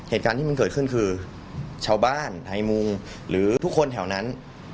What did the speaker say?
เหตุการณ์ที่มันเกิดขึ้นคือชาวบ้านไทยมุงหรือทุกคนแถวนั้น